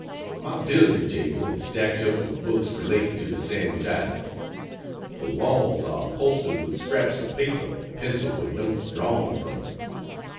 My billiard table is stacked up with books relating to the Sandwich Islands: the walls axe upholstered with scraps of paper penciled with notes drawn from them.